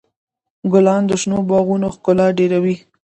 ګلان د شنو باغونو ښکلا ډېروي.